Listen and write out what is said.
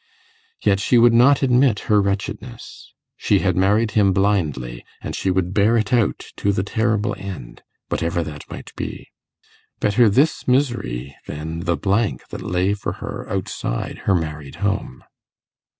Yet she would not admit her wretchedness; she had married him blindly, and she would bear it out to the terrible end, whatever that might be. Better this misery than the blank that lay for her outside her married home.